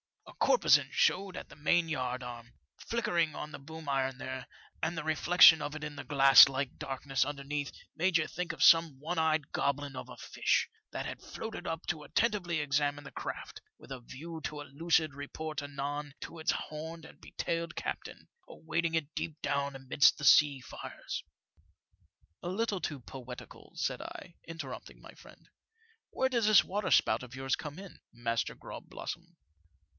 A corposant showed at the mainyardarm, flickering on the boom iron th ere, and the reflection of it in the glass like 6 78 FOUL OF A WATEBSPODT. darkness underneath made you think of some one eyed goblin of a fish, that had floated up to attentively examine your craft, with a view to a lucid report anon to its horned and betailed captain, awaiting it deep down amidst the sea fires.'^ " A little too poetical," said I, interrupting my friend. " Where does this waterspout of yours come in. Master Grogblossom